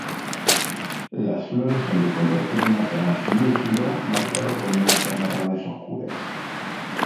Las flores son de color crema translúcido marcado con manchas marrones oscuras.